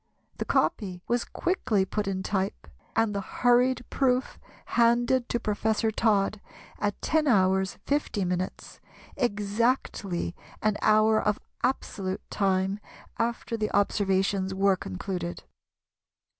The "copy" was quickly put in type, and the hurried proof handed to Professor Todd at 10h. 50m., exactly an hour of absolute time after the observations were concluded.